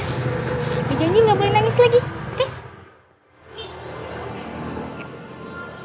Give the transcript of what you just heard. tapi janji gak boleh nangis lagi oke